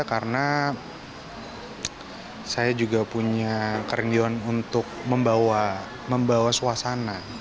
karena saya juga punya kerinduan untuk membawa suasana